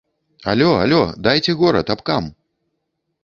Алё, алё, дайце горад, абкам.